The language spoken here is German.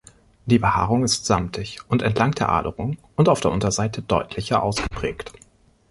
Die Behaarung ist samtig und entlang der Aderung und auf der Unterseite deutlicher ausgeprägt.